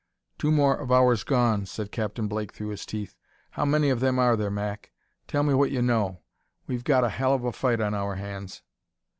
"Two more of ours gone," said Captain Blake through set teeth. "How many of them are there, Mac? Tell me what you know: we've got a hell of a fight on our hands."